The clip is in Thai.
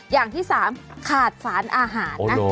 อย่างที่๓ขาดสารอาหารนะ